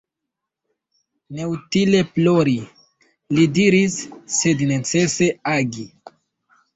Neutile plori, li diris, sed necese agi.